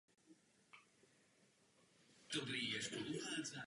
Ze severu je vesnice obklopena lesy.